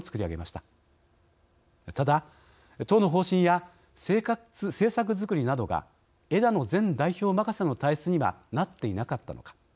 ただ党の方針や政策づくりなどが枝野前代表任せの体質にはなっていなかったかのか。